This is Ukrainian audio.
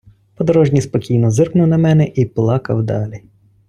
Подорожній спокійно зиркнув на мене і плакав далі.